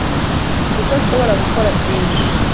Nzi ko nshobora gukora byinshi.